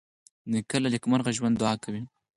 نیکه له نیکمرغه ژوند دعا کوي.